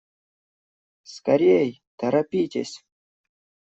Скорей, торопитесь!